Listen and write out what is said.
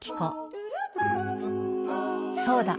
そうだ！